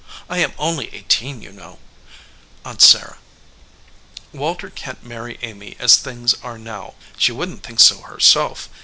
I am only eighteen, you know, Aunt Sarah. Walter can t marry Amy as things are now. She wouldn t think so herself.